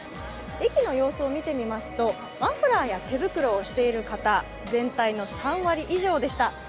駅の様子を見てみますと、マフラーや手袋をしている方全体の３割以上でした。